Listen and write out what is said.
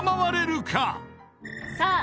さあ